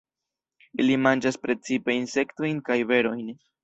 Ili manĝas precipe insektojn kaj berojn.